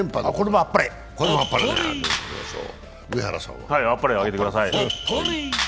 あっぱれあげてください。